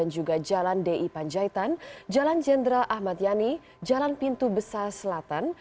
juga jalan di panjaitan jalan jenderal ahmad yani jalan pintu besar selatan